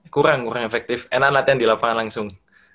kurang kurang efektif enak latihan di lapangan langsung